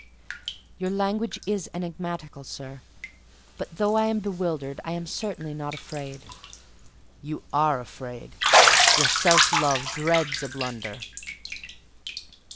"Your language is enigmatical, sir: but though I am bewildered, I am certainly not afraid." "You are afraid—your self love dreads a blunder."